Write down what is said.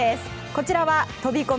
こちらは飛込